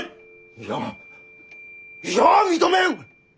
いやいや認めん！